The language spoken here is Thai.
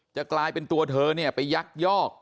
จะกลายเป็นตัวเธอเนี่ยไปยักยอก